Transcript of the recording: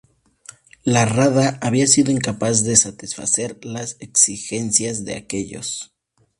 La Rada había sido incapaz de satisfacer las exigencias de aquellos.